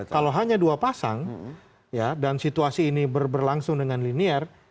kalau hanya dua pasang dan situasi ini berlangsung dengan linier